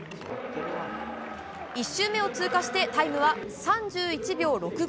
１周目を通過して、タイムは３１秒６５。